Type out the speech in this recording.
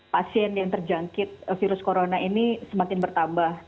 pasien yang terjangkit virus corona ini semakin bertambah